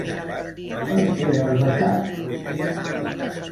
Per què has baixat?